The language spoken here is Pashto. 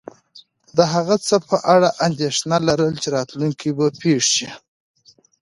د هغه څه په اړه انېښنه لرل چی راتلونکي کې به پیښ شې